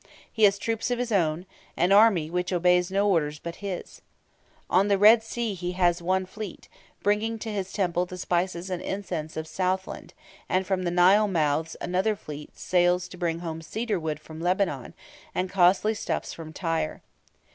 He has troops of his own, an army which obeys no orders but his. On the Red Sea he has one fleet, bringing to his temple the spices and incense of the Southland; and from the Nile mouths another fleet sails to bring home cedar wood from Lebanon, and costly stuffs from Tyre.